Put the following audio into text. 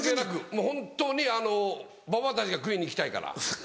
もう本当にばばあたちが食いに行きたいから。